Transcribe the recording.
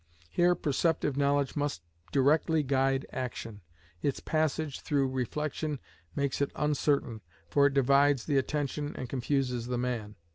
Here perceptive knowledge must directly guide action; its passage through reflection makes it uncertain, for it divides the attention and confuses the man.